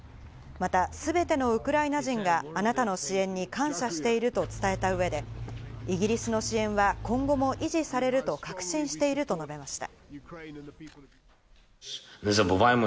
また全てのウクライナ人があなたの支援に感謝していると伝えた上で、イギリスの支援は今後も維持されると確信していると述べました。